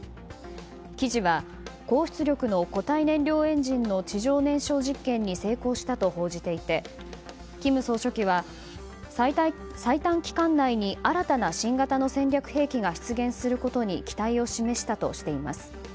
記事は、高出力の固体燃料エンジンの地上燃焼実験に成功したと報じていて金総書記は、最短期間内に新たな新型の戦略兵器が出現することに期待を示したとしています。